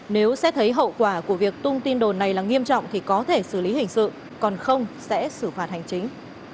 nếu xét thấy hậu quả của việc tung tin đồn này là nghiêm trọng thì có thể xử lý hình sự còn không sẽ xử phạt hành chính